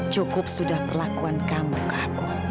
cukup sudah perlakuan kamu kahku